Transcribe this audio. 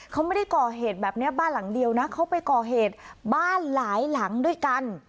เขาไม่ได้ก่อเหตุแบบนี้บ้านหลังเดียวนะเขาไปก่อเหตุบ้านหลายหลังด้วยกัน